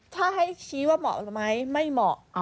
ถ้าให้คีย์ว่าเหมาะไหมไม่เหมาะ